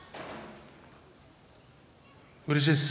うれしいです。